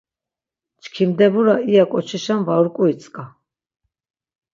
Çkimdebura iya ǩoçişen var uǩuitzǩa.